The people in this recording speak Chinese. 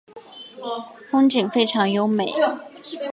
风景非常优美。